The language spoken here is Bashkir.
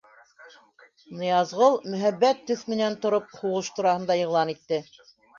Ныязғол, мөһабәт төҫ менән тороп, һуғыш тураһында иғлан итте: